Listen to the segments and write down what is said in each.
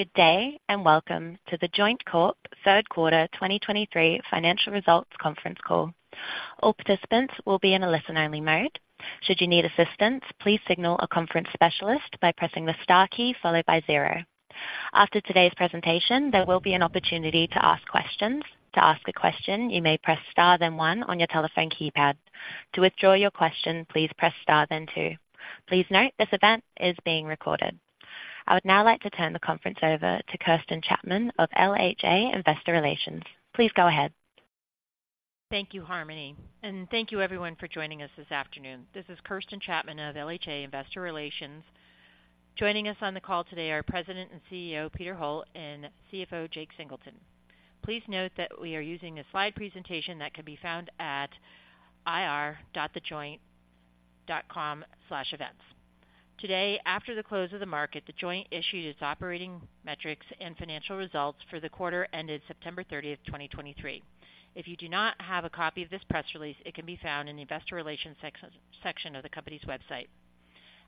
Good day, and welcome to The Joint Corp. Third Quarter 2023 Financial Results Conference Call. All participants will be in a listen-only mode. Should you need assistance, please signal a conference specialist by pressing the star key followed by zero. After today's presentation, there will be an opportunity to ask questions. To ask a question, you may press Star, then one on your telephone keypad. To withdraw your question, please press Star then two. Please note, this event is being recorded. I would now like to turn the conference over to Kirsten Chapman of LHA Investor Relations. Please go ahead. Thank you, Harmony, and thank you everyone for joining us this afternoon. This is Kirsten Chapman of LHA Investor Relations. Joining us on the call today are President and CEO, Peter Holt, and CFO, Jake Singleton. Please note that we are using a slide presentation that can be found at ir.thejoint.com/events. Today, after the close of the market, The Joint issued its operating metrics and financial results for the quarter ended September 30, 2023. If you do not have a copy of this press release, it can be found in the Investor Relations section of the company's website.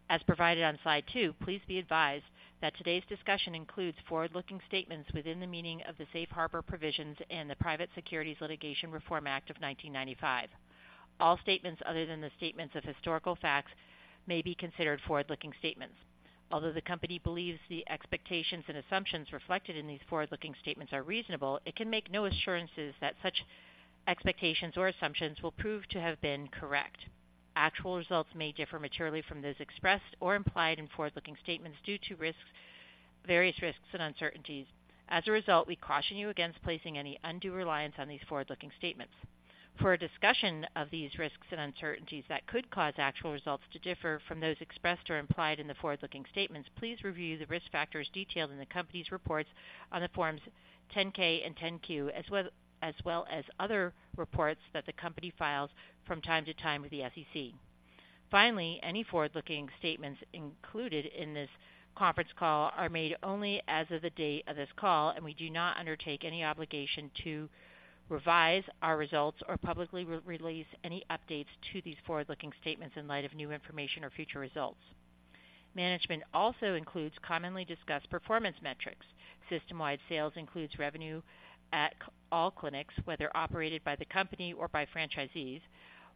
As provided on slide 2, please be advised that today's discussion includes forward-looking statements within the meaning of the Safe Harbor Provisions and the Private Securities Litigation Reform Act of 1995. All statements other than the statements of historical facts may be considered forward-looking statements. Although the company believes the expectations and assumptions reflected in these forward-looking statements are reasonable, it can make no assurances that such expectations or assumptions will prove to have been correct. Actual results may differ materially from those expressed or implied in forward-looking statements due to risks, various risks and uncertainties. As a result, we caution you against placing any undue reliance on these forward-looking statements. For a discussion of these risks and uncertainties that could cause actual results to differ from those expressed or implied in the forward-looking statements, please review the risk factors detailed in the company's reports on Forms 10-K and 10-Q, as well as other reports that the company files from time to time with the SEC. Finally, any forward-looking statements included in this conference call are made only as of the date of this call, and we do not undertake any obligation to revise our results or publicly re-release any updates to these forward-looking statements in light of new information or future results. Management also includes commonly discussed performance metrics. System-wide sales includes revenue at all clinics, whether operated by the company or by franchisees.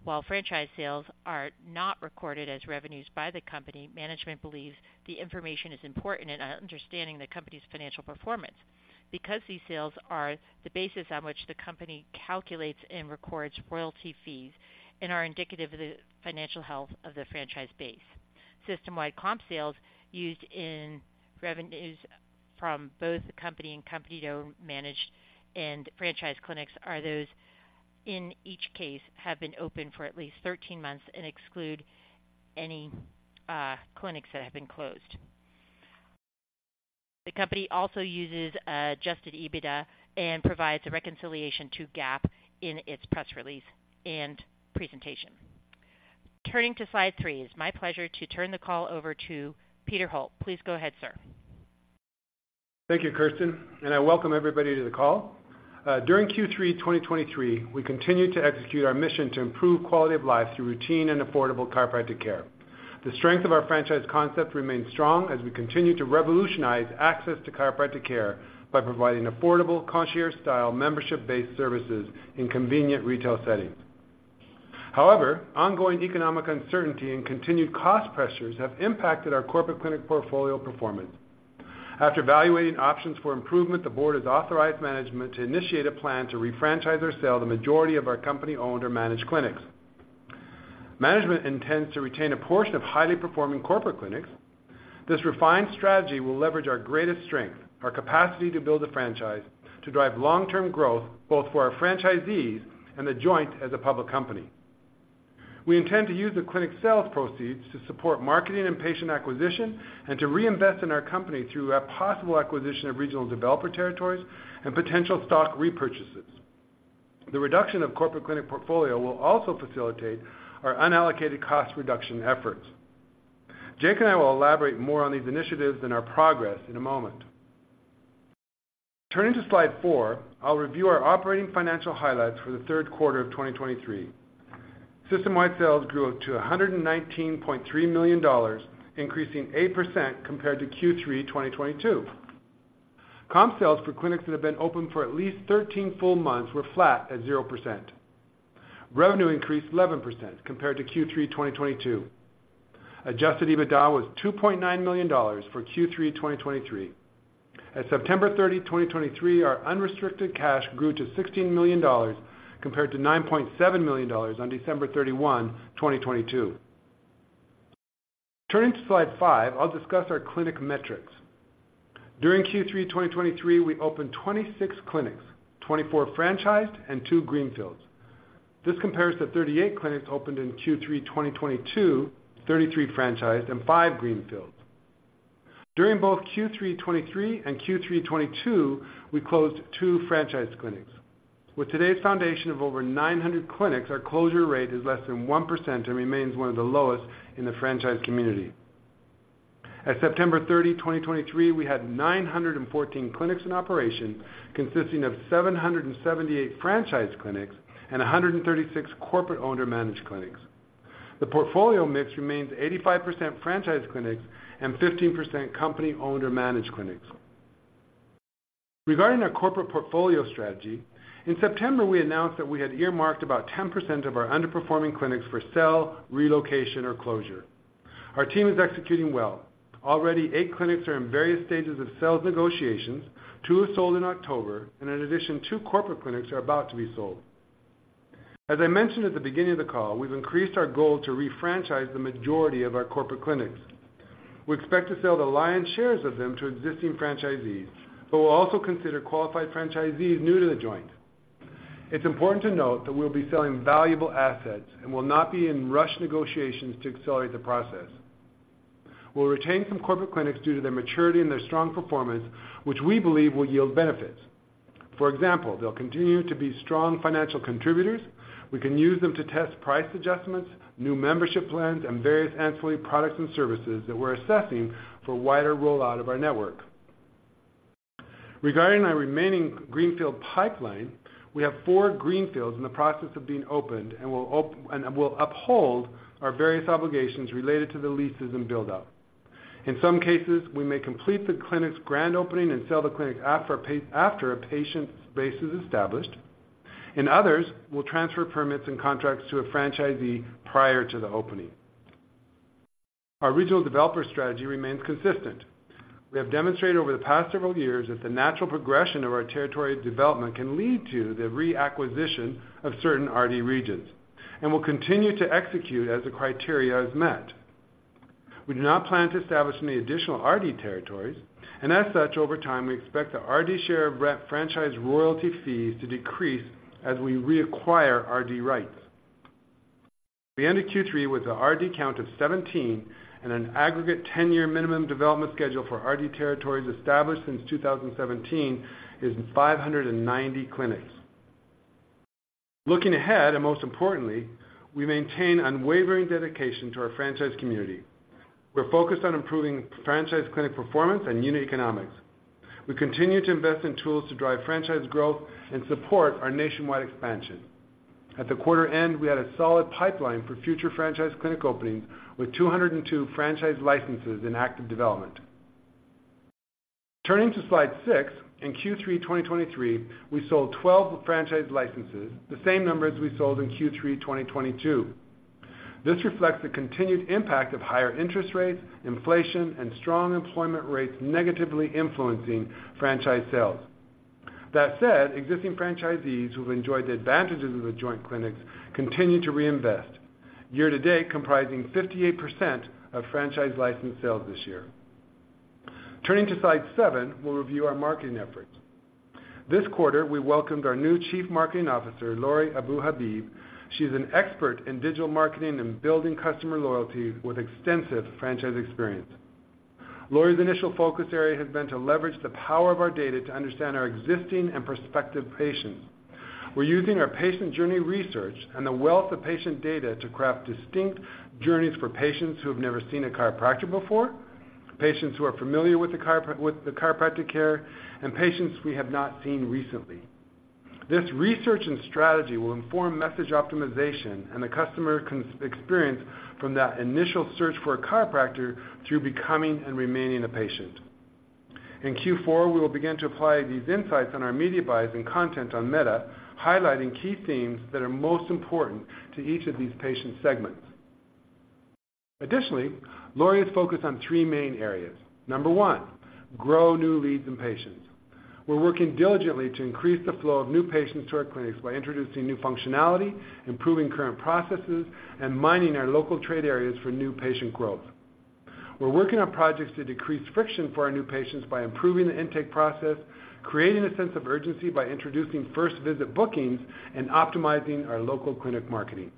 While franchise sales are not recorded as revenues by the company, management believes the information is important in understanding the company's financial performance. Because these sales are the basis on which the company calculates and records royalty fees and are indicative of the financial health of the franchise base. System-wide comp sales used in revenues from both the company and company-owned, managed, and franchise clinics are those, in each case, have been open for at least 13 months and exclude any, clinics that have been closed. The company also uses adjusted EBITDA and provides a reconciliation to GAAP in its press release and presentation. Turning to slide 3. It's my pleasure to turn the call over to Peter Holt. Please go ahead, sir. Thank you, Kirsten, and I welcome everybody to the call. During Q3 2023, we continued to execute our mission to improve quality of life through routine and affordable chiropractic care. The strength of our franchise concept remains strong as we continue to revolutionize access to chiropractic care by providing affordable, concierge-style, membership-based services in convenient retail settings. However, ongoing economic uncertainty and continued cost pressures have impacted our corporate clinic portfolio performance. After evaluating options for improvement, the board has authorized management to initiate a plan to re-franchise or sell the majority of our company-owned or managed clinics. Management intends to retain a portion of highly performing corporate clinics. This refined strategy will leverage our greatest strength, our capacity to build a franchise, to drive long-term growth, both for our franchisees and The Joint as a public company. We intend to use the clinic sales proceeds to support marketing and patient acquisition, and to reinvest in our company through a possible acquisition of regional developer territories and potential stock repurchases. The reduction of corporate clinic portfolio will also facilitate our unallocated cost reduction efforts. Jake and I will elaborate more on these initiatives and our progress in a moment. Turning to slide 4, I'll review our operating financial highlights for the third quarter of 2023. System-wide sales grew to $119.3 million, increasing 8% compared to Q3 2022. Comp sales for clinics that have been open for at least 13 full months were flat at 0%. Revenue increased 11% compared to Q3 2022. Adjusted EBITDA was $2.9 million for Q3 2023. At September 30, 2023, our unrestricted cash grew to $16 million, compared to $9.7 million on December 31, 2022. Turning to slide 5, I'll discuss our clinic metrics. During Q3 2023, we opened 26 clinics, 24 franchised and 2 greenfields. This compares to 38 clinics opened in Q3 2022, 33 franchised and 5 greenfields. During both Q3 2023 and Q3 2022, we closed 2 franchise clinics. With today's foundation of over 900 clinics, our closure rate is less than 1% and remains one of the lowest in the franchise community. At September 30, 2023, we had 914 clinics in operation, consisting of 778 franchise clinics and 136 corporate owner-managed clinics. The portfolio mix remains 85% franchise clinics and 15% company-owned or managed clinics. Regarding our corporate portfolio strategy, in September, we announced that we had earmarked about 10% of our underperforming clinics for sale, relocation, or closure. Our team is executing well. Already, 8 clinics are in various stages of sales negotiations, 2 were sold in October, and in addition, 2 corporate clinics are about to be sold. As I mentioned at the beginning of the call, we've increased our goal to refranchise the majority of our corporate clinics. We expect to sell the lion's shares of them to existing franchisees, but we'll also consider qualified franchisees new to The Joint. It's important to note that we'll be selling valuable assets and will not be in rush negotiations to accelerate the process. We'll retain some corporate clinics due to their maturity and their strong performance, which we believe will yield benefits. For example, they'll continue to be strong financial contributors. We can use them to test price adjustments, new membership plans, and various ancillary products and services that we're assessing for wider rollout of our network. Regarding our remaining greenfield pipeline, we have 4 greenfields in the process of being opened, and we'll uphold our various obligations related to the leases and build-out. In some cases, we may complete the clinic's grand opening and sell the clinic after a patient base is established. In others, we'll transfer permits and contracts to a franchisee prior to the opening. Our regional developer strategy remains consistent. We have demonstrated over the past several years that the natural progression of our territory development can lead to the reacquisition of certain RD regions, and we'll continue to execute as the criteria is met. We do not plan to establish any additional RD territories, and as such, over time, we expect the RD share of re-franchise royalty fees to decrease as we reacquire RD rights. We ended Q3 with an RD count of 17, and an aggregate 10-year minimum development schedule for RD territories established since 2017 is 590 clinics. Looking ahead, and most importantly, we maintain unwavering dedication to our franchise community. We're focused on improving franchise clinic performance and unit economics. We continue to invest in tools to drive franchise growth and support our nationwide expansion. At the quarter end, we had a solid pipeline for future franchise clinic openings, with 202 franchise licenses in active development. Turning to Slide 6, in Q3 2023, we sold 12 franchise licenses, the same number as we sold in Q3 2022. This reflects the continued impact of higher interest rates, inflation, and strong employment rates negatively influencing franchise sales. That said, existing franchisees who've enjoyed the advantages of The Joint clinics continue to reinvest, year-to-date, comprising 58% of franchise license sales this year. Turning to Slide 7, we'll review our marketing efforts. This quarter, we welcomed our new Chief Marketing Officer, Lori Abou Habib. She's an expert in digital marketing and building customer loyalty with extensive franchise experience. Lori's initial focus area has been to leverage the power of our data to understand our existing and prospective patients. We're using our patient journey research and the wealth of patient data to craft distinct journeys for patients who have never seen a chiropractor before, patients who are familiar with the chiropractic care, and patients we have not seen recently. This research and strategy will inform message optimization and the customer experience from that initial search for a chiropractor through becoming and remaining a patient. In Q4, we will begin to apply these insights on our media buys and content on Meta, highlighting key themes that are most important to each of these patient segments. Additionally, Lori is focused on three main areas. Number one, grow new leads and patients. We're working diligently to increase the flow of new patients to our clinics by introducing new functionality, improving current processes, and mining our local trade areas for new patient growth. We're working on projects to decrease friction for our new patients by improving the intake process, creating a sense of urgency by introducing first-visit bookings, and optimizing our local clinic marketing.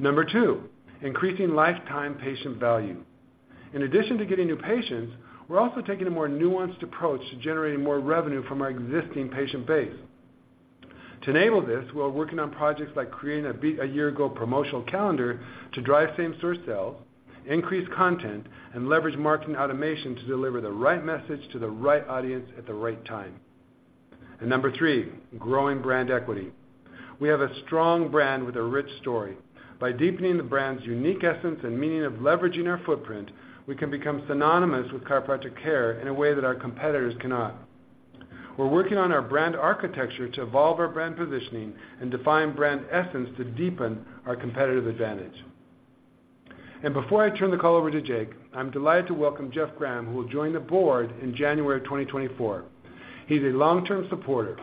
Number two, increasing lifetime patient value. In addition to getting new patients, we're also taking a more nuanced approach to generating more revenue from our existing patient base. To enable this, we are working on projects like creating a year-ago promotional calendar to drive same-store sales, increase content, and leverage marketing automation to deliver the right message to the right audience at the right time. Number three, growing brand equity. We have a strong brand with a rich story. By deepening the brand's unique essence and meaning of leveraging our footprint, we can become synonymous with chiropractic care in a way that our competitors cannot. We're working on our brand architecture to evolve our brand positioning and define brand essence to deepen our competitive advantage. Before I turn the call over to Jake, I'm delighted to welcome Jeff Gramm, who will join the board in January of 2024. He's a long-term supporter.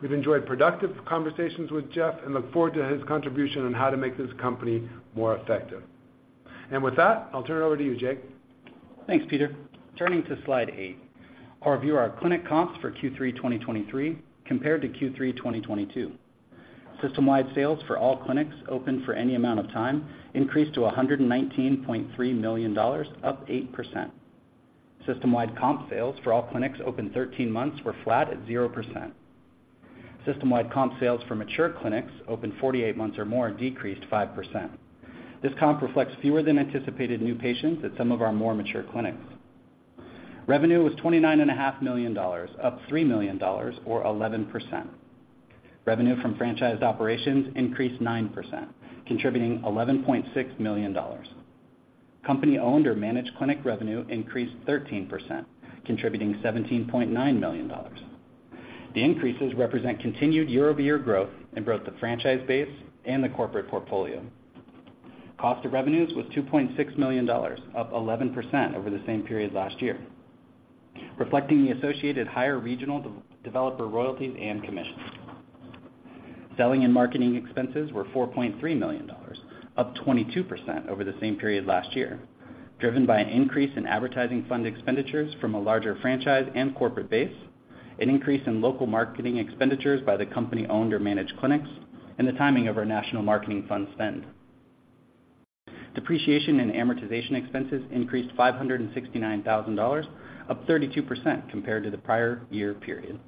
We've enjoyed productive conversations with Jeff and look forward to his contribution on how to make this company more effective. With that, I'll turn it over to you, Jake. Thanks, Peter. Turning to Slide 8, our view, our clinic comps for Q3 2023 compared to Q3 2022. System-wide sales for all clinics open for any amount of time increased to $119.3 million, up 8%. System-wide comp sales for all clinics open 13 months were flat at 0%. System-wide comp sales for mature clinics open 48 months or more decreased 5%. This comp reflects fewer than anticipated new patients at some of our more mature clinics.... Revenue was $29.5 million, up $3 million or 11%. Revenue from franchised operations increased 9%, contributing $11.6 million. Company-owned or managed clinic revenue increased 13%, contributing $17.9 million. The increases represent continued year-over-year growth in both the franchise base and the corporate portfolio. Cost of revenues was $2.6 million, up 11% over the same period last year, reflecting the associated higher regional developer royalties and commissions. Selling and marketing expenses were $4.3 million, up 22% over the same period last year, driven by an increase in advertising fund expenditures from a larger franchise and corporate base, an increase in local marketing expenditures by the company-owned or managed clinics, and the timing of our national marketing fund spend. Depreciation and amortization expenses increased $569,000, up 32% compared to the prior year period,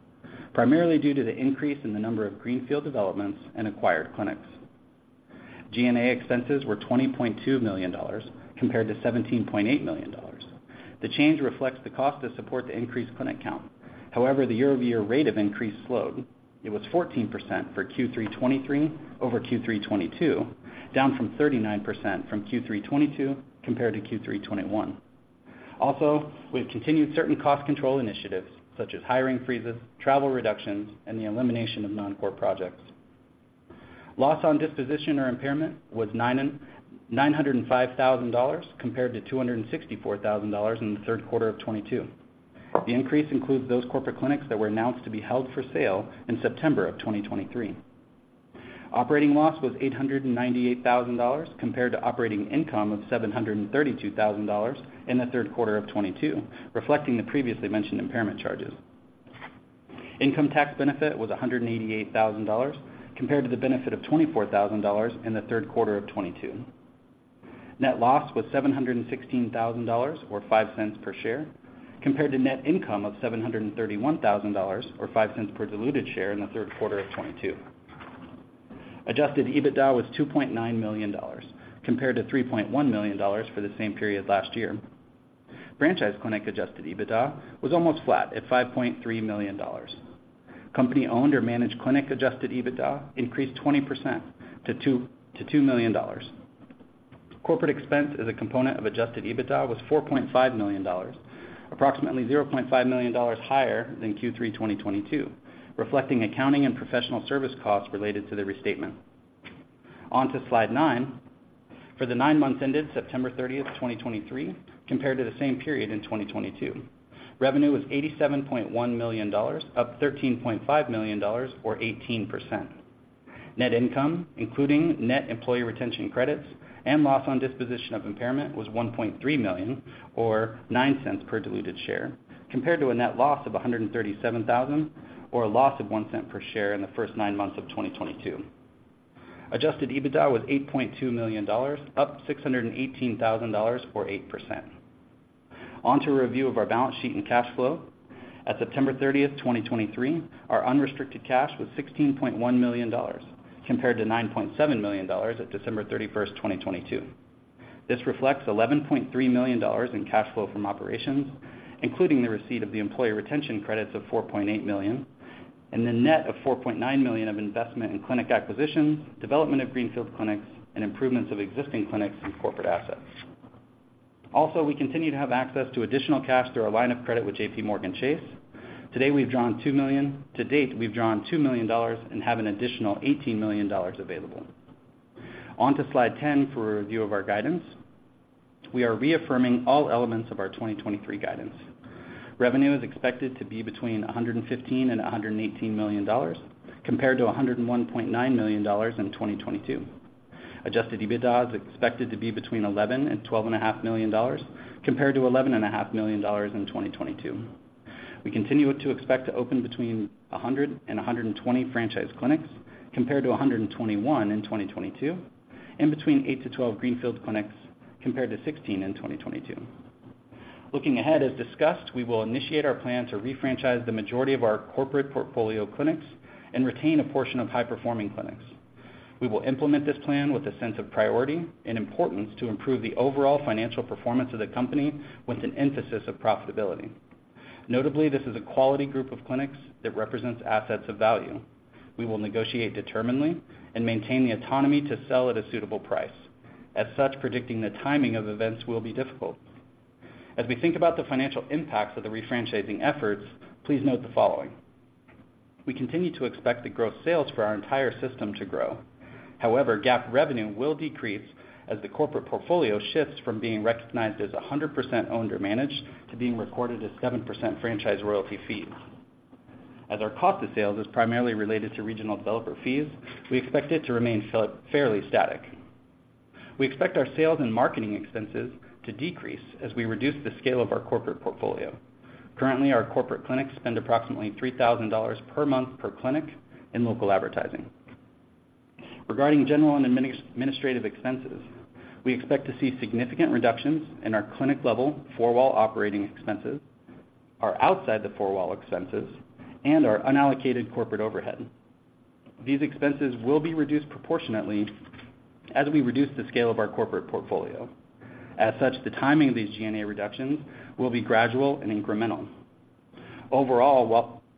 primarily due to the increase in the number of Greenfield developments and acquired clinics. G&A expenses were $20.2 million, compared to $17.8 million. The change reflects the cost to support the increased clinic count. However, the year-over-year rate of increase slowed. It was 14% for Q3 2023 over Q3 2022, down from 39% from Q3 2022 compared to Q3 2021. Also, we've continued certain cost control initiatives, such as hiring freezes, travel reductions, and the elimination of non-core projects. Loss on disposition or impairment was $905,000, compared to $264,000 in the third quarter of 2022. The increase includes those corporate clinics that were announced to be held for sale in September of 2023. Operating loss was $898,000, compared to operating income of $732,000 in the third quarter of 2022, reflecting the previously mentioned impairment charges. Income tax benefit was $188,000, compared to the benefit of $24,000 in the third quarter of 2022. Net loss was $716,000, or $0.05 per share, compared to net income of $731,000, or $0.05 per diluted share in the third quarter of 2022. Adjusted EBITDA was $2.9 million, compared to $3.1 million for the same period last year. Franchise clinic adjusted EBITDA was almost flat at $5.3 million. Company-owned or managed clinic adjusted EBITDA increased 20% to $2 million. Corporate expense as a component of adjusted EBITDA was $4.5 million, approximately $0.5 million higher than Q3 2022, reflecting accounting and professional service costs related to the restatement. On to slide 9. For the 9 months ended September 30, 2023, compared to the same period in 2022, revenue was $87.1 million, up $13.5 million or 18%. Net income, including net employee retention credits and loss on disposition of impairment, was $1.3 million, or $0.09 per diluted share, compared to a net loss of $137,000, or a loss of $0.01 per share in the first 9 months of 2022. Adjusted EBITDA was $8.2 million, up $618,000 or 8%. On to a review of our balance sheet and cash flow. At September 30, 2023, our unrestricted cash was $16.1 million, compared to $9.7 million at December 31, 2022. This reflects $11.3 million in cash flow from operations, including the receipt of the employee retention credits of $4.8 million, and the net of $4.9 million of investment in clinic acquisitions, development of greenfield clinics, and improvements of existing clinics and corporate assets. Also, we continue to have access to additional cash through our line of credit with JPMorgan Chase. To date, we've drawn $2 million dollars and have an additional $18 million dollars available. On to Slide 10 for a review of our guidance. We are reaffirming all elements of our 2023 guidance. Revenue is expected to be between $115 million and $118 million, compared to $101.9 million in 2022. Adjusted EBITDA is expected to be between $11 million and $12.5 million, compared to $11.5 million in 2022. We continue to expect to open between 100 and 120 franchise clinics, compared to 121 in 2022, and between 8 to 12 greenfield clinics, compared to 16 in 2022. Looking ahead, as discussed, we will initiate our plan to refranchise the majority of our corporate portfolio clinics and retain a portion of high-performing clinics. We will implement this plan with a sense of priority and importance to improve the overall financial performance of the company with an emphasis on profitability. Notably, this is a quality group of clinics that represents assets of value. We will negotiate determinedly and maintain the autonomy to sell at a suitable price. As such, predicting the timing of events will be difficult. As we think about the financial impacts of the refranchising efforts, please note the following: We continue to expect the gross sales for our entire system to grow. However, GAAP revenue will decrease as the corporate portfolio shifts from being recognized as 100% owned or managed to being recorded as 7% franchise royalty fees. As our cost of sales is primarily related to regional developer fees, we expect it to remain fairly static. We expect our sales and marketing expenses to decrease as we reduce the scale of our corporate portfolio. Currently, our corporate clinics spend approximately $3,000 per month per clinic in local advertising. Regarding general and administrative expenses, we expect to see significant reductions in our clinic-level four-wall operating expenses, our outside the four-wall expenses, and our unallocated corporate overhead. These expenses will be reduced proportionately as we reduce the scale of our corporate portfolio. As such, the timing of these G&A reductions will be gradual and incremental. Overall,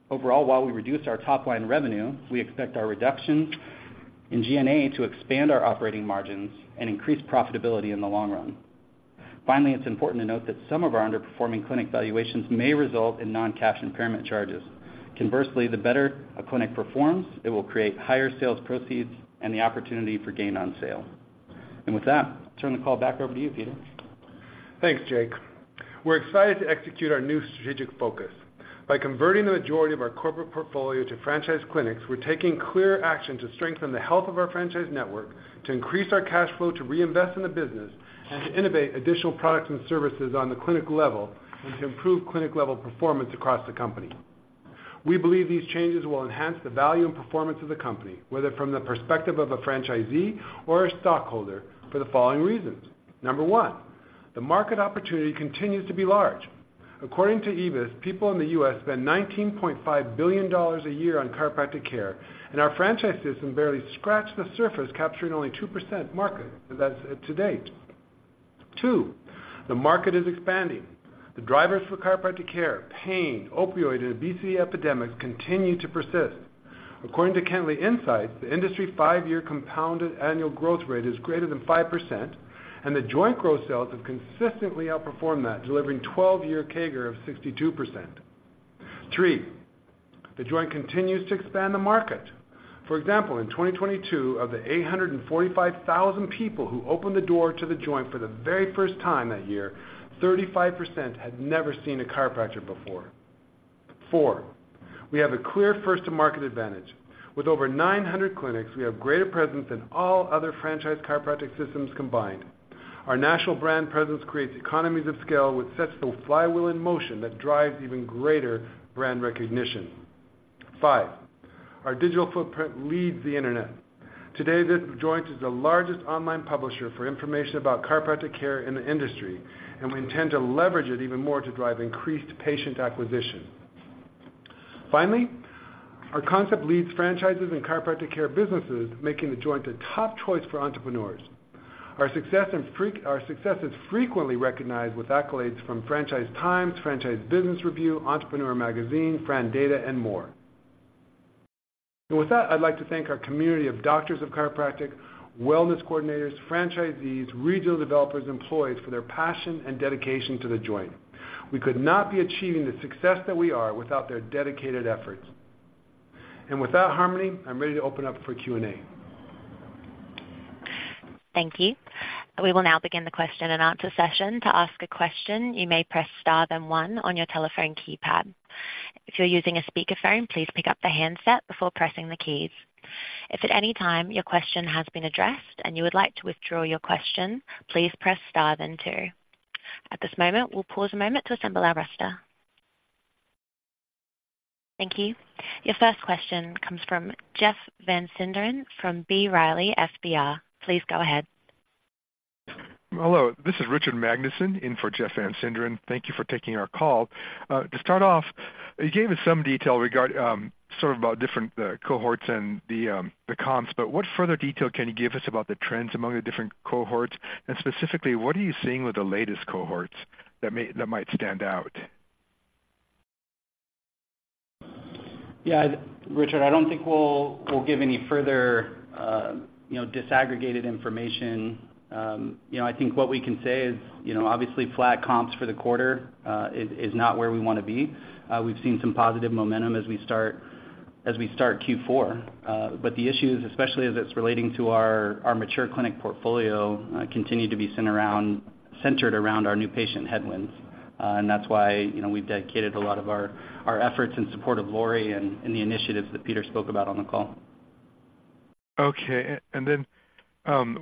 while we reduce our top line revenue, we expect our reduction in G&A to expand our operating margins and increase profitability in the long run. Finally, it's important to note that some of our underperforming clinic valuations may result in non-cash impairment charges. Conversely, the better a clinic performs, it will create higher sales proceeds and the opportunity for gain on sale. With that, I'll turn the call back over to you, Peter. Thanks, Jake. We're excited to execute our new strategic focus. By converting the majority of our corporate portfolio to franchise clinics, we're taking clear action to strengthen the health of our franchise network, to increase our cash flow, to reinvest in the business, and to innovate additional products and services on the clinic level, and to improve clinic-level performance across the company. We believe these changes will enhance the value and performance of the company, whether from the perspective of a franchisee or a stockholder, for the following reasons. Number one, the market opportunity continues to be large. According to IBIS, people in the U.S. spend $19.5 billion a year on chiropractic care, and our franchise system barely scratched the surface, capturing only 2% market, that's to date. Two, the market is expanding. The drivers for chiropractic care, pain, opioid, and obesity epidemics continue to persist. According to Kentley Insights, the industry 5-year compounded annual growth rate is greater than 5%, and The Joint gross sales have consistently outperformed that, delivering 12-year CAGR of 62%. 3, The Joint continues to expand the market. For example, in 2022, of the 845,000 people who opened the door to The Joint for the very first time that year, 35% had never seen a chiropractor before. 4, we have a clear first-to-market advantage. With over 900 clinics, we have greater presence than all other franchise chiropractic systems combined. Our national brand presence creates economies of scale, which sets the flywheel in motion that drives even greater brand recognition. 5, our digital footprint leads the internet. Today, The Joint is the largest online publisher for information about chiropractic care in the industry, and we intend to leverage it even more to drive increased patient acquisition. Finally, our concept leads franchises and chiropractic care businesses, making The Joint a top choice for entrepreneurs. Our success in franchise is frequently recognized with accolades from Franchise Times, Franchise Business Review, Entrepreneur Magazine, FRANdata, and more. And with that, I'd like to thank our community of doctors of chiropractic, wellness coordinators, franchisees, regional developers, employees for their passion and dedication to The Joint. We could not be achieving the success that we are without their dedicated efforts. And with that, Harmony, I'm ready to open up for Q&A. Thank you. We will now begin the question-and-answer session. To ask a question, you may press star, then one on your telephone keypad. If you're using a speakerphone, please pick up the handset before pressing the keys. If at any time your question has been addressed and you would like to withdraw your question, please press star then two. At this moment, we'll pause a moment to assemble our roster. Thank you. Your first question comes from Jeff Van Sinderen, from B. Riley FBR. Please go ahead. Hello, this is Richard Magnusen in for Jeff Van Sinderen. Thank you for taking our call. To start off, you gave us some detail regarding sort of about different cohorts and the comps, but what further detail can you give us about the trends among the different cohorts? And specifically, what are you seeing with the latest cohorts that might stand out? Yeah, Richard, I don't think we'll give any further, you know, disaggregated information. You know, I think what we can say is, you know, obviously, flat comps for the quarter is not where we wanna be. We've seen some positive momentum as we start Q4. But the issue is, especially as it's relating to our mature clinic portfolio, continue to be centered around our new patient headwinds. And that's why, you know, we've dedicated a lot of our efforts in support of Lori and the initiatives that Peter spoke about on the call. Okay. And then,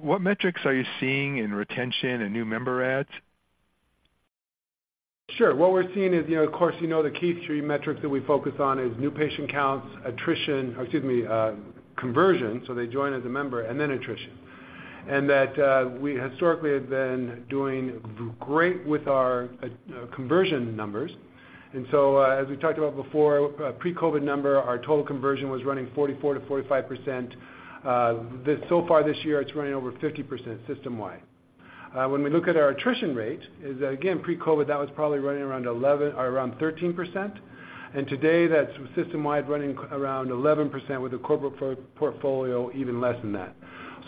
what metrics are you seeing in retention and new member adds? Sure. What we're seeing is, you know, of course, you know, the key three metrics that we focus on is new patient counts, attrition, excuse me, conversion, so they join as a member, and then attrition. And that, we historically have been doing great with our, conversion numbers. And so, as we talked about before, pre-COVID number, our total conversion was running 44%-45%. So far this year, it's running over 50% system-wide. When we look at our attrition rate, is again, pre-COVID, that was probably running around 11% or around 13%. And today, that's system-wide, running around 11% with a corporate portfolio, even less than that.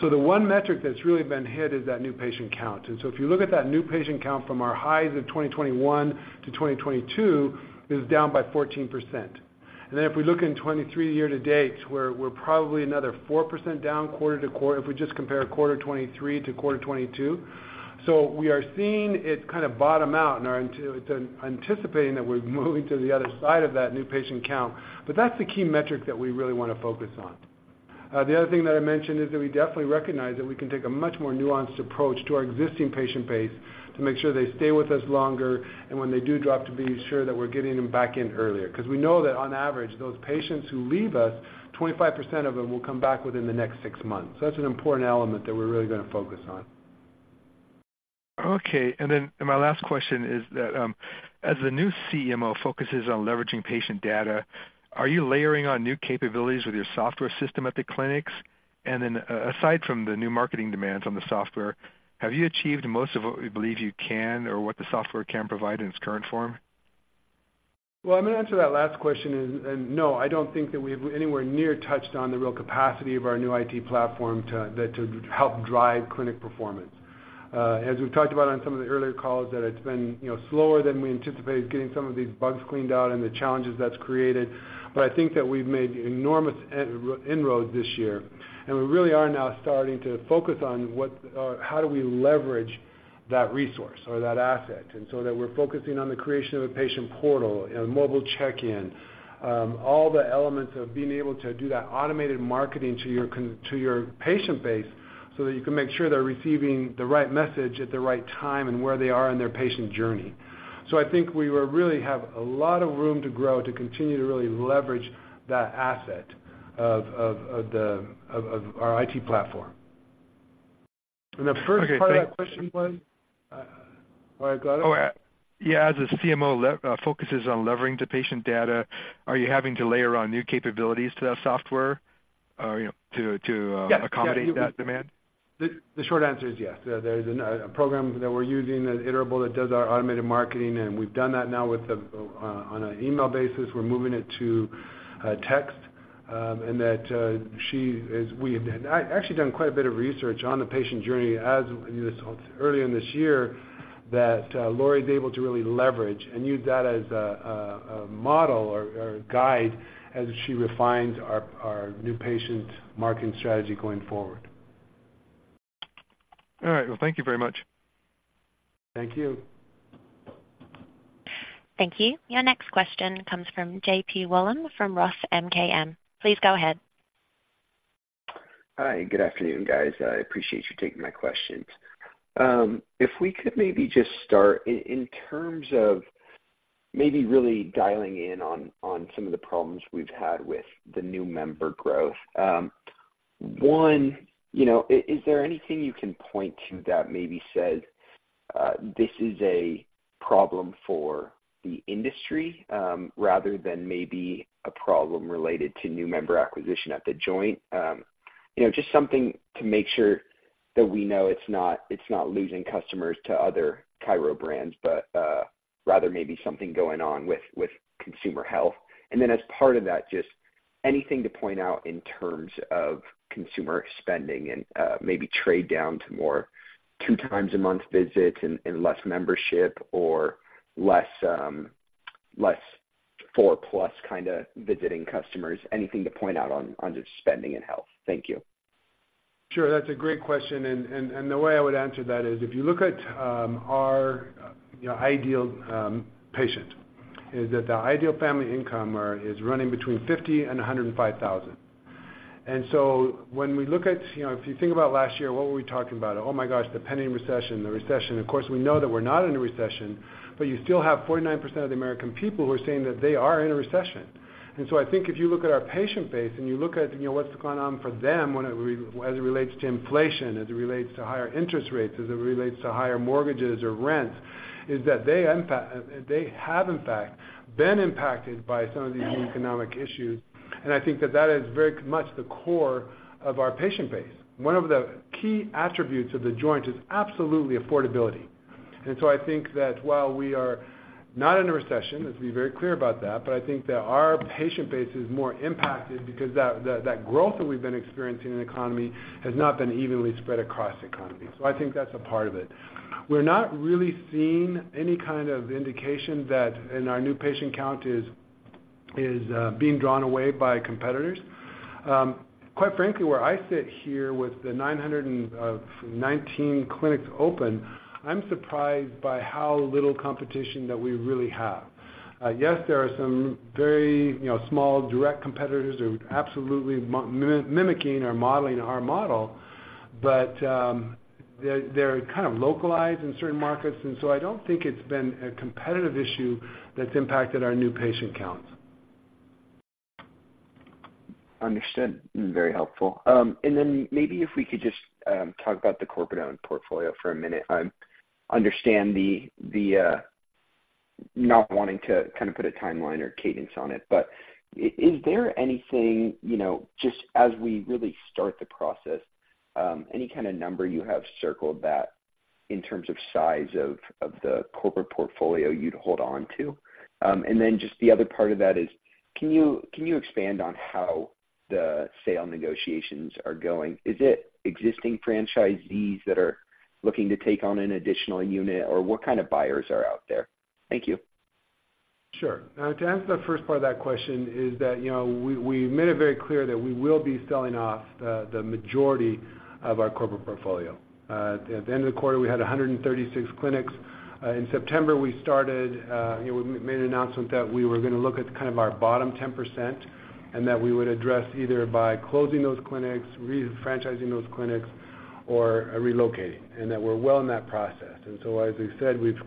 So the one metric that's really been hit is that new patient count. And so if you look at that new patient count from our highs of 2021 to 2022, it was down by 14%. And then if we look in 2023 year to date, where we're probably another 4% down quarter to quarter, if we just compare quarter 2023 to quarter 2022. So we are seeing it kind of bottom out and are anticipating that we're moving to the other side of that new patient count. But that's the key metric that we really wanna focus on. The other thing that I mentioned is that we definitely recognize that we can take a much more nuanced approach to our existing patient base to make sure they stay with us longer, and when they do drop, to be sure that we're getting them back in earlier. Because we know that on average, those patients who leave us, 25% of them will come back within the next six months. So that's an important element that we're really gonna focus on.... Okay, and then my last question is that, as the new CMO focuses on leveraging patient data, are you layering on new capabilities with your software system at the clinics? And then, aside from the new marketing demands on the software, have you achieved most of what you believe you can or what the software can provide in its current form? Well, I'm going to answer that last question, and no, I don't think that we've anywhere near touched on the real capacity of our new IT platform to help drive clinic performance. As we've talked about on some of the earlier calls, it's been, you know, slower than we anticipated getting some of these bugs cleaned out and the challenges that's created. But I think that we've made enormous inroads this year, and we really are now starting to focus on what, how do we leverage that resource or that asset, and so that we're focusing on the creation of a patient portal and mobile check-in. All the elements of being able to do that automated marketing to your patient base, so that you can make sure they're receiving the right message at the right time and where they are in their patient journey. So I think we really have a lot of room to grow, to continue to really leverage that asset of our IT platform. And the first part of that question was? I got it. Oh, yeah, as a CMO focuses on leveraging the patient data, are you having to layer on new capabilities to that software, you know, to... Yeah. accommodate that demand? The short answer is yes. There's a program that we're using that Iterable that does our automated marketing, and we've done that now on an email basis. We're moving it to text, and that she as we have actually done quite a bit of research on the patient journey earlier this year, that Lori's able to really leverage and use that as a model or guide as she refines our new patient marketing strategy going forward. All right. Well, thank you very much. Thank you. Thank you. Your next question comes from JP Wollam, from Roth MKM. Please go ahead. Hi, good afternoon, guys. I appreciate you taking my questions. If we could maybe just start in terms of maybe really dialing in on some of the problems we've had with the new member growth. One, you know, is there anything you can point to that maybe says this is a problem for the industry rather than maybe a problem related to new member acquisition at The Joint? You know, just something to make sure that we know it's not losing customers to other chiro brands, but rather maybe something going on with consumer health. And then as part of that, just anything to point out in terms of consumer spending and maybe trade down to more two times a month visits and less membership or less four-plus kind of visiting customers. Anything to point out on just spending and health? Thank you. Sure. That's a great question, and the way I would answer that is, if you look at our, you know, ideal patient, is that the ideal family income is running between $50,000-$105,000. And so when we look at, you know, if you think about last year, what were we talking about? Oh, my gosh, the pending recession, the recession. Of course, we know that we're not in a recession, but you still have 49% of the American people who are saying that they are in a recession. And so I think if you look at our patient base and you look at, you know, what's going on for them, as it relates to inflation, as it relates to higher interest rates, as it relates to higher mortgages or rents, is that they have in fact been impacted by some of these economic issues. And I think that that is very much the core of our patient base. One of the key attributes of The Joint is absolutely affordability. And so I think that while we are not in a recession, let's be very clear about that, but I think that our patient base is more impacted because that growth that we've been experiencing in the economy has not been evenly spread across the economy. So I think that's a part of it. We're not really seeing any kind of indication that, and our new patient count is being drawn away by competitors. Quite frankly, where I sit here with the 919 clinics open, I'm surprised by how little competition that we really have. Yes, there are some very, you know, small, direct competitors who are absolutely mimicking or modeling our model, but, they're kind of localized in certain markets, and so I don't think it's been a competitive issue that's impacted our new patient counts. Understood. Very helpful. And then maybe if we could just talk about the corporate-owned portfolio for a minute. I understand the not wanting to kind of put a timeline or cadence on it, but is there anything, you know, just as we really start the process, any kind of number you have circled that in terms of size of the corporate portfolio you'd hold on to? And then just the other part of that is, can you expand on how the sale negotiations are going? Is it existing franchisees that are looking to take on an additional unit, or what kind of buyers are out there? Thank you. Sure. Now, to answer the first part of that question is that, you know, we made it very clear that we will be selling off the majority of our corporate portfolio. At the end of the quarter, we had 136 clinics. In September, we started, you know, we made an announcement that we were gonna look at kind of our bottom 10%, and that we would address either by closing those clinics, re-franchising those clinics, or relocating, and that we're well in that process. And so as we said, we've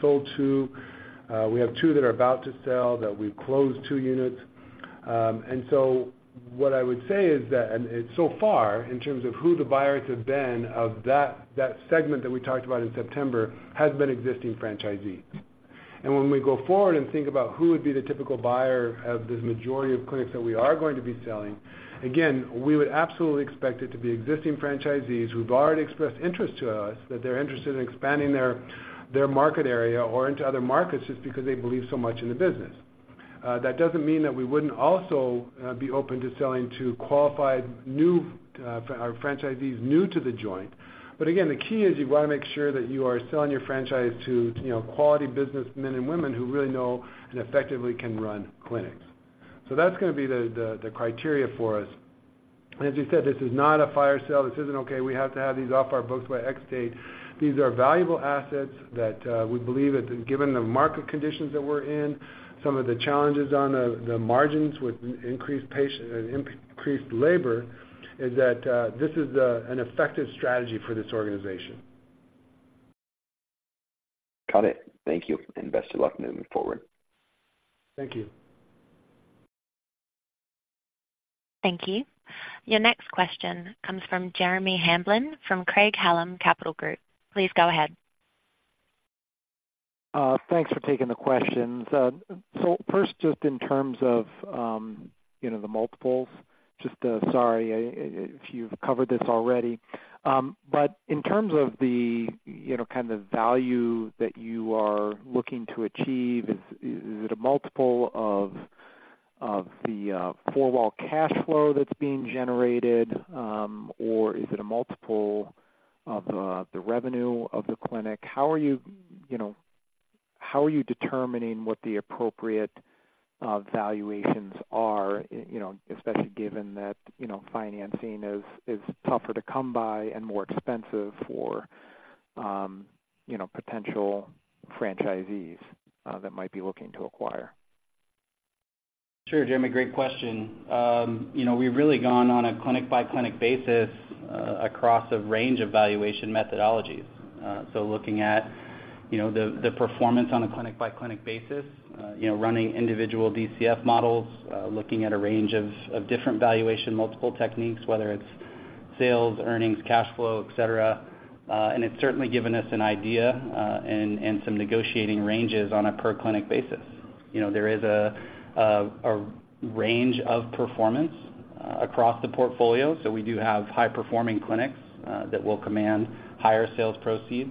sold two, we have two that are about to sell, that we've closed two units. And so... What I would say is that, and so far, in terms of who the buyers have been of that, that segment that we talked about in September, has been existing franchisees. And when we go forward and think about who would be the typical buyer of the majority of clinics that we are going to be selling, again, we would absolutely expect it to be existing franchisees who've already expressed interest to us, that they're interested in expanding their, their market area or into other markets, just because they believe so much in the business. That doesn't mean that we wouldn't also be open to selling to qualified new, or franchisees new to The Joint. But again, the key is you wanna make sure that you are selling your franchise to, you know, quality businessmen and women who really know and effectively can run clinics. So that's gonna be the criteria for us. As you said, this is not a fire sale. This isn't, "Okay, we have to have these off our books by X date." These are valuable assets that we believe that given the market conditions that we're in, some of the challenges on the margins with increased labor is that this is an effective strategy for this organization. Got it. Thank you, and best of luck moving forward. Thank you. Thank you. Your next question comes from Jeremy Hamblin, from Craig-Hallum Capital Group. Please go ahead. Thanks for taking the questions. So first, just in terms of, you know, the multiples, just, sorry if you've covered this already. But in terms of the, you know, kind of value that you are looking to achieve, is it a multiple of the four-wall cash flow that's being generated, or is it a multiple of the revenue of the clinic? How are you, you know, how are you determining what the appropriate valuations are, you know, especially given that, you know, financing is tougher to come by and more expensive for, you know, potential franchisees that might be looking to acquire? Sure, Jeremy, great question. You know, we've really gone on a clinic-by-clinic basis across a range of valuation methodologies. So looking at, you know, the performance on a clinic-by-clinic basis, you know, running individual DCF models, looking at a range of different valuation multiple techniques, whether it's sales, earnings, cash flow, et cetera. And it's certainly given us an idea and some negotiating ranges on a per-clinic basis. You know, there is a range of performance across the portfolio, so we do have high-performing clinics that will command higher sales proceeds,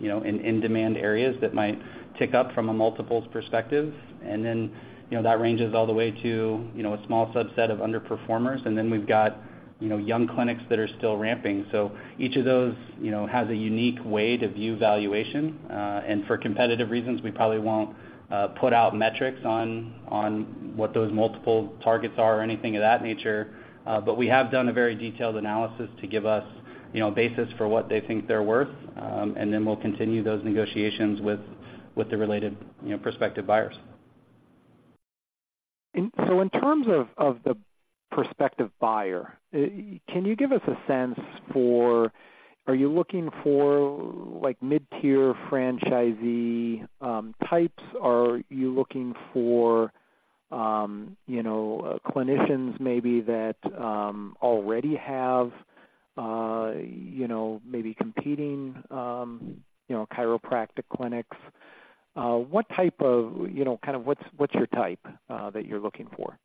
you know, in demand areas that might tick up from a multiples perspective. And then, you know, that ranges all the way to, you know, a small subset of underperformers. And then we've got, you know, young clinics that are still ramping. So each of those, you know, has a unique way to view valuation, and for competitive reasons, we probably won't put out metrics on what those multiple targets are or anything of that nature. But we have done a very detailed analysis to give us, you know, a basis for what they think they're worth, and then we'll continue those negotiations with the related, you know, prospective buyers. So in terms of the prospective buyer, can you give us a sense for... Are you looking for, like, mid-tier franchisee types, or are you looking for, you know, clinicians maybe that already have, you know, maybe competing, you know, chiropractic clinics? What type of, you know, kind of what's your type that you're looking for?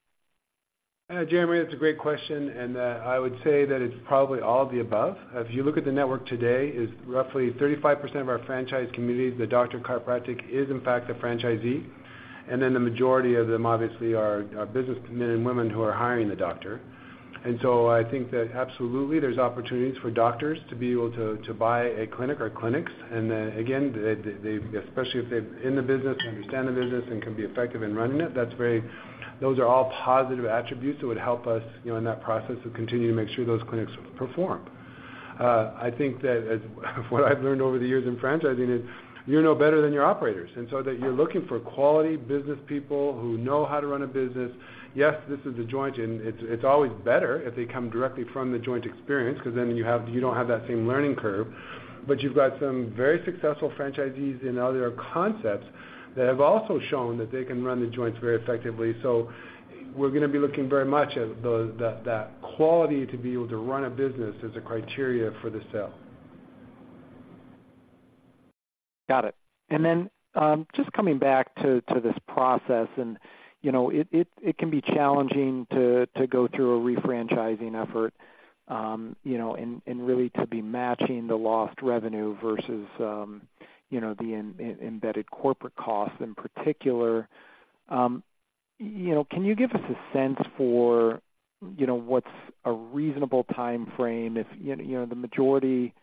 Jeremy, that's a great question, and I would say that it's probably all of the above. If you look at the network today, is roughly 35% of our franchise community, the doctor of chiropractic is, in fact, a franchisee, and then the majority of them, obviously, are business men and women who are hiring the doctor. And so I think that absolutely there's opportunities for doctors to be able to buy a clinic or clinics. And then, again, they especially if they're in the business, and understand the business, and can be effective in running it, that's very... Those are all positive attributes that would help us, you know, in that process to continue to make sure those clinics perform. I think that what I've learned over the years in franchising is, you know, better than your operators, and so that you're looking for quality business people who know how to run a business. Yes, this is The Joint, and it's always better if they come directly from The Joint experience, 'cause then you don't have that same learning curve. But you've got some very successful franchisees in other concepts that have also shown that they can run The Joints very effectively. So we're gonna be looking very much at that quality to be able to run a business as a criteria for the sale. Got it. And then, just coming back to this process, and, you know, it can be challenging to go through a re-franchising effort, you know, and really to be matching the lost revenue versus, you know, the embedded corporate costs in particular. You know, can you give us a sense for, you know, what's a reasonable timeframe if the majority...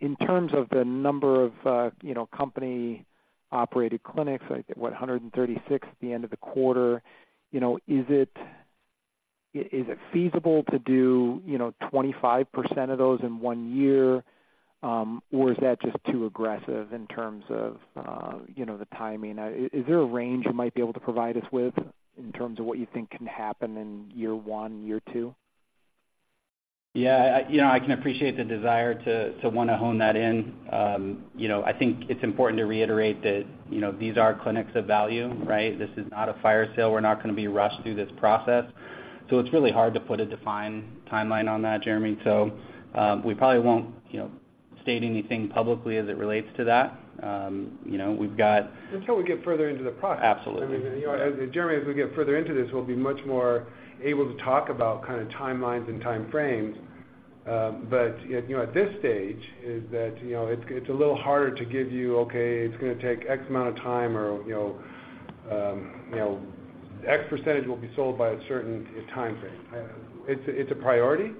In terms of the number of, you know, company-operated clinics, I think, what, 136 at the end of the quarter, you know, is it feasible to do, you know, 25% of those in one year, or is that just too aggressive in terms of the timing? Is there a range you might be able to provide us with in terms of what you think can happen in year 1, year 2?... Yeah, you know, I can appreciate the desire to wanna hone that in. You know, I think it's important to reiterate that, you know, these are clinics of value, right? This is not a fire sale. We're not gonna be rushed through this process. So it's really hard to put a defined timeline on that, Jeremy. So, we probably won't, you know, state anything publicly as it relates to that. You know, we've got- Until we get further into the process. Absolutely. I mean, you know, as Jeremy, as we get further into this, we'll be much more able to talk about kind of timelines and timeframes. But, you know, at this stage, it's a little harder to give you, okay, it's gonna take X amount of time or, you know, X percentage will be sold by a certain time frame. It's a priority.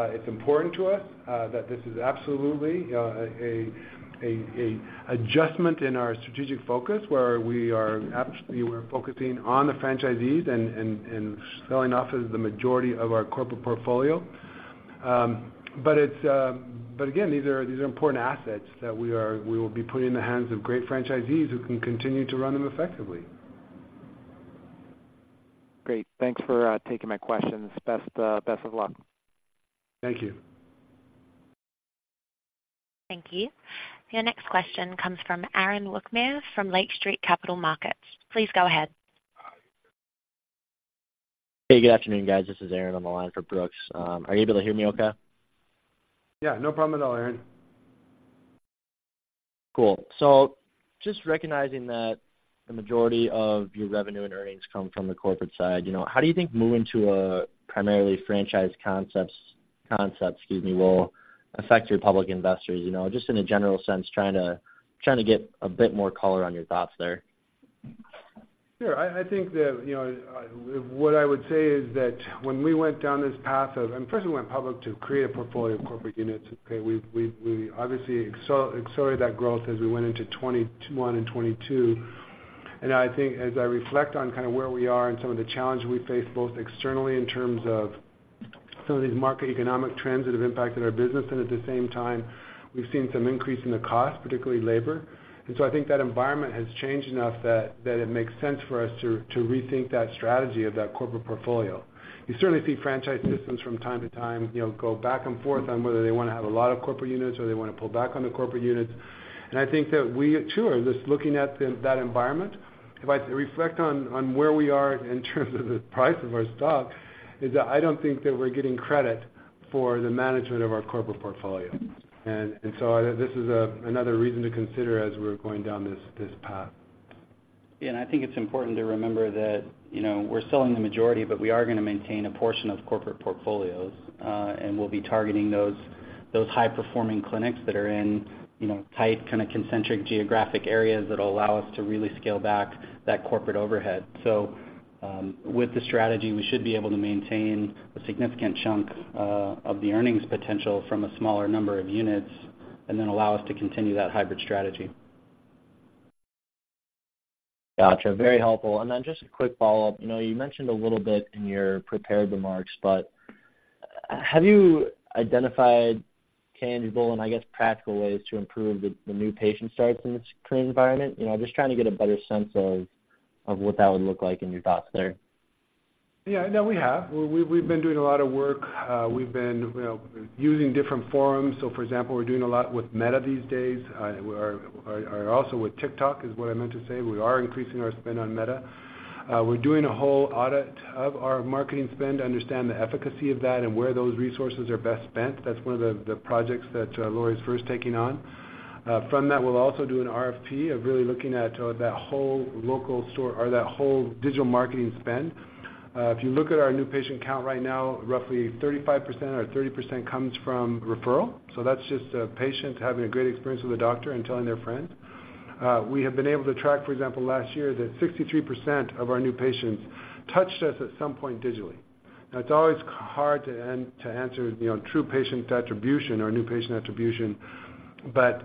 It's important to us that this is absolutely a adjustment in our strategic focus, where we are absolutely, we're focusing on the franchisees and selling off the majority of our corporate portfolio. But again, these are important assets that we are, we will be putting in the hands of great franchisees who can continue to run them effectively. Great. Thanks for taking my questions. Best, best of luck. Thank you. Thank you. Your next question comes from Aaron Wukmir from Lake Street Capital Markets. Please go ahead. Hey, good afternoon, guys. This is Aaron on the line for Brooks. Are you able to hear me okay? Yeah, no problem at all, Aaron. Cool. So just recognizing that the majority of your revenue and earnings come from the corporate side, you know, how do you think moving to a primarily franchise concepts, excuse me, will affect your public investors? You know, just in a general sense, trying to get a bit more color on your thoughts there. Sure. I think that, you know, what I would say is that when we went down this path of... And first, we went public to create a portfolio of corporate units, okay? We've obviously accelerated that growth as we went into 2021 and 2022. And I think as I reflect on kind of where we are and some of the challenges we face, both externally in terms of some of these market economic trends that have impacted our business, and at the same time, we've seen some increase in the cost, particularly labor. And so I think that environment has changed enough that it makes sense for us to rethink that strategy of that corporate portfolio. You certainly see franchise systems from time to time, you know, go back and forth on whether they wanna have a lot of corporate units or they wanna pull back on the corporate units. And I think that we too are just looking at that environment. If I reflect on where we are in terms of the price of our stock, it is that I don't think that we're getting credit for the management of our corporate portfolio. And so this is another reason to consider as we're going down this path. Yeah, and I think it's important to remember that, you know, we're selling the majority, but we are gonna maintain a portion of corporate portfolios, and we'll be targeting those, those high-performing clinics that are in, you know, tight, kind of concentric geographic areas that will allow us to really scale back that corporate overhead. So, with the strategy, we should be able to maintain a significant chunk of the earnings potential from a smaller number of units, and then allow us to continue that hybrid strategy. Gotcha, very helpful. And then just a quick follow-up. You know, you mentioned a little bit in your prepared remarks, but have you identified tangible, and I guess, practical ways to improve the, the new patient starts in this current environment? You know, just trying to get a better sense of, of what that would look like and your thoughts there. Yeah, no, we have. We've been doing a lot of work. We've been, you know, using different forums. So for example, we're doing a lot with Meta these days. We are also with TikTok, is what I meant to say. We are increasing our spend on Meta. We're doing a whole audit of our marketing spend to understand the efficacy of that and where those resources are best spent. That's one of the projects that Lori's first taking on. From that, we'll also do an RFP of really looking at that whole local store or that whole digital marketing spend. If you look at our new patient count right now, roughly 35% or 30% comes from referral. So that's just a patient having a great experience with a doctor and telling their friend. We have been able to track, for example, last year, that 63% of our new patients touched us at some point digitally. Now, it's always hard to answer, you know, true patient attribution or new patient attribution, but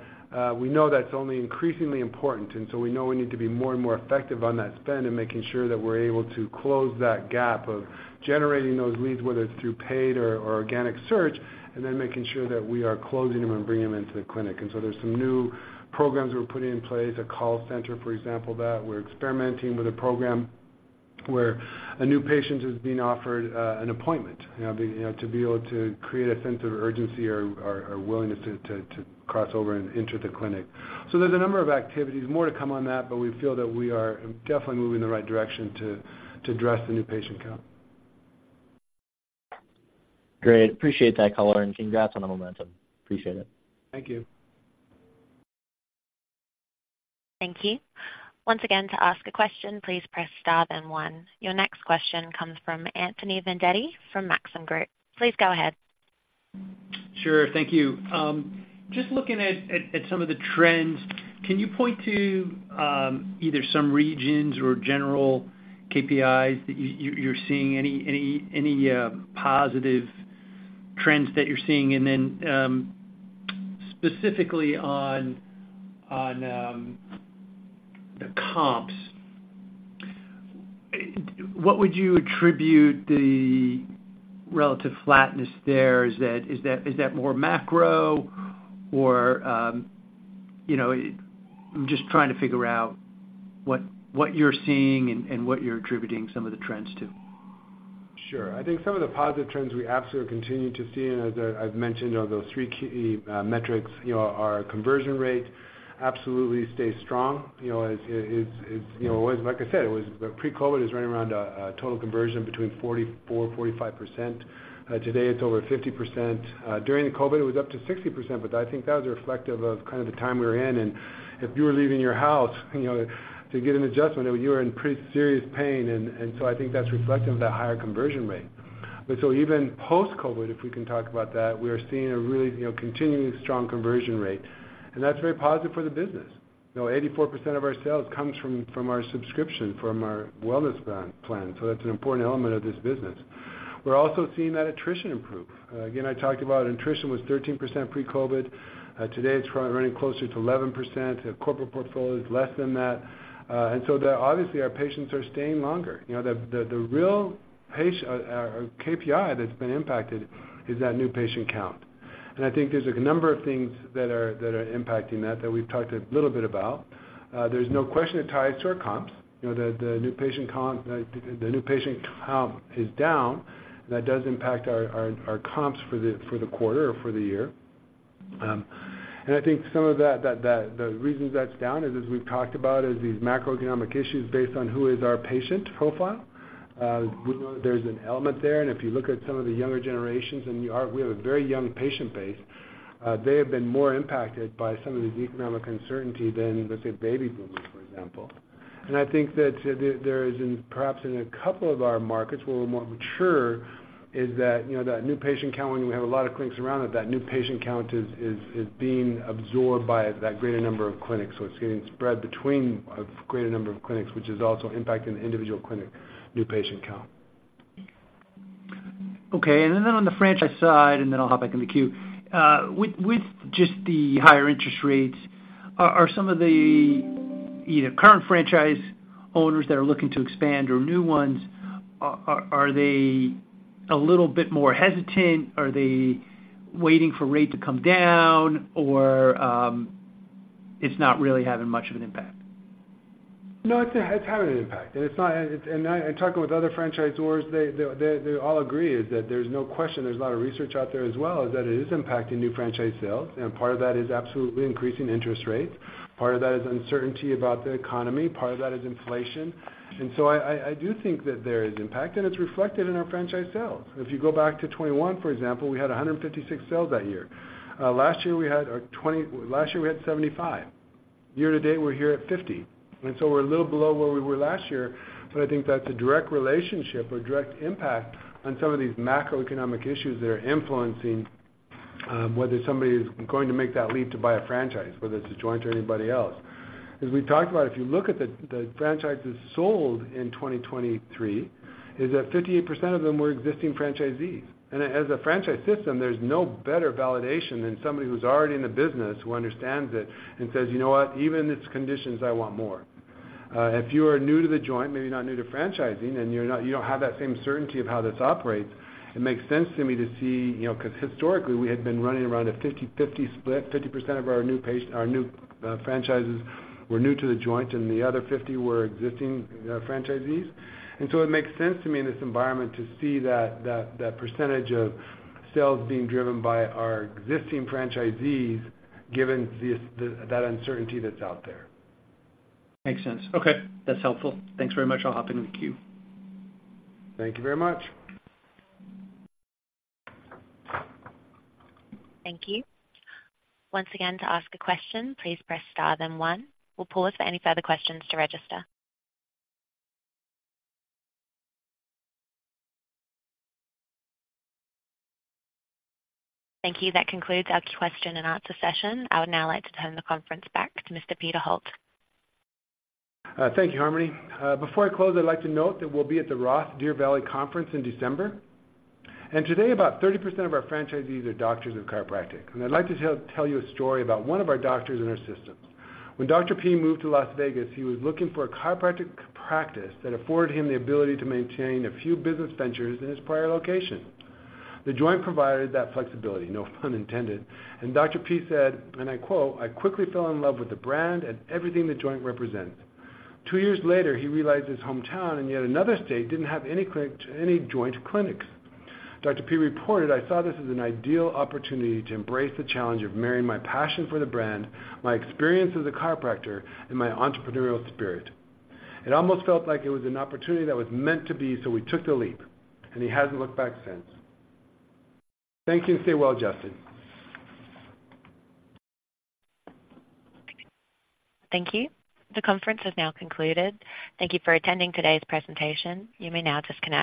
we know that's only increasingly important, and so we know we need to be more and more effective on that spend and making sure that we're able to close that gap of generating those leads, whether it's through paid or organic search, and then making sure that we are closing them and bringing them into the clinic. And so there's some new programs we're putting in place, a call center, for example, that we're experimenting with a program, where a new patient is being offered an appointment, you know, to be able to create a sense of urgency or willingness to cross over and enter the clinic. So there's a number of activities. More to come on that, but we feel that we are definitely moving in the right direction to address the new patient count. Great. Appreciate that color, and congrats on the momentum. Appreciate it. Thank you. Thank you. Once again, to ask a question, please press star then one. Your next question comes from Anthony Vendetti from Maxim Group. Please go ahead. Sure. Thank you. Just looking at some of the trends, can you point to either some regions or general KPIs that you're seeing, any positive trends that you're seeing? And then, specifically on the comps, what would you attribute the relative flatness there? Is that more macro or-... You know, I'm just trying to figure out what, what you're seeing and, and what you're attributing some of the trends to. Sure. I think some of the positive trends we absolutely continue to see, and as I’ve mentioned on those three key metrics, you know, our conversion rate absolutely stays strong. You know, it’s, you know, like I said, it was pre-COVID running around a total conversion between 44-45%. Today, it’s over 50%. During the COVID, it was up to 60%, but I think that was reflective of kind of the time we were in, and if you were leaving your house, you know, to get an adjustment, you were in pretty serious pain. And so I think that’s reflective of that higher conversion rate. But so even post-COVID, if we can talk about that, we are seeing a really, you know, continuing strong conversion rate, and that’s very positive for the business. You know, 84% of our sales comes from our subscription, from our wellness plan, so that's an important element of this business. We're also seeing that attrition improve. Again, I talked about attrition was 13% pre-COVID. Today, it's running closer to 11%. Corporate portfolio is less than that. And so obviously, our patients are staying longer. You know, the real patient or KPI that's been impacted is that new patient count. And I think there's a number of things that are impacting that, that we've talked a little bit about. There's no question it ties to our comps. You know, the new patient comp, the new patient comp is down, and that does impact our comps for the quarter or for the year. And I think some of that, the reasons that's down is, as we've talked about, is these macroeconomic issues based on who is our patient profile. We know that there's an element there, and if you look at some of the younger generations, and we are—we have a very young patient base, they have been more impacted by some of the economic uncertainty than, let's say, baby boomers, for example. And I think that there is, perhaps in a couple of our markets, where we're more mature, is that, you know, that new patient count, when we have a lot of clinics around it, that new patient count is being absorbed by that greater number of clinics. So it's getting spread between a greater number of clinics, which is also impacting the individual clinic new patient count. Okay, and then on the franchise side, and then I'll hop back in the queue. With just the higher interest rates, are they a little bit more hesitant? Are they waiting for rates to come down, or is it not really having much of an impact? No, it's, it's having an impact. And it's not... And, and talking with other franchisors, they, they, they all agree is that there's no question there's a lot of research out there as well, is that it is impacting new franchise sales, and part of that is absolutely increasing interest rates. Part of that is uncertainty about the economy, part of that is inflation. And so I, I, I do think that there is impact, and it's reflected in our franchise sales. If you go back to 2021, for example, we had 156 sales that year. Last year, we had 75. Year to date, we're here at 50, and so we're a little below where we were last year. But I think that's a direct relationship or direct impact on some of these macroeconomic issues that are influencing whether somebody is going to make that leap to buy a franchise, whether it's The Joint or anybody else. As we've talked about, if you look at the franchises sold in 2023, is that 58% of them were existing franchisees. And as a franchise system, there's no better validation than somebody who's already in the business, who understands it and says, "You know what? Even in its conditions, I want more." If you are new to The Joint, maybe not new to franchising, and you don't have that same certainty of how this operates, it makes sense to me to see, you know, because historically, we had been running around a 50/50 split. 50% of our new franchises were new to The Joint, and the other 50 were existing franchisees. So it makes sense to me in this environment to see that percentage of sales being driven by our existing franchisees, given that uncertainty that's out there. Makes sense. Okay, that's helpful. Thanks very much. I'll hop into the queue. Thank you very much. Thank you. Once again, to ask a question, please press star then one. We'll pause for any further questions to register. Thank you. That concludes our question-and-answer session. I would now like to turn the conference back to Mr. Peter Holt. Thank you, Harmony. Before I close, I'd like to note that we'll be at the ROTH Deer Valley Conference in December. Today, about 30% of our franchisees are doctors of chiropractic, and I'd like to tell you a story about one of our doctors in our system. When Dr. P moved to Las Vegas, he was looking for a chiropractic practice that afforded him the ability to maintain a few business ventures in his prior location. The Joint provided that flexibility, no pun intended, and Dr. P said, and I quote, "I quickly fell in love with the brand and everything The Joint represents." Two years later, he realized his hometown in yet another state didn't have any Joint clinics. Dr. P reported: "I saw this as an ideal opportunity to embrace the challenge of marrying my passion for the brand, my experience as a chiropractor, and my entrepreneurial spirit. It almost felt like it was an opportunity that was meant to be, so we took the leap," and he hasn't looked back since. Thank you, and stay well, Justin. Thank you. The conference has now concluded. Thank you for attending today's presentation. You may now disconnect.